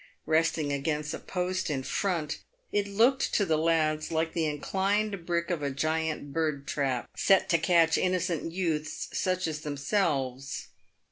Besting against a post in front, it looked to the lads like the inclined brick of a gigantic bird trap, set to catch innocent youths such as themselves.